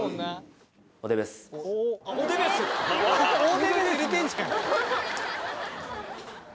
オーデーベース入れてんじゃん。